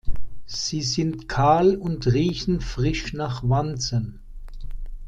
Sie sind kahl und riechen frisch nach Wanzen.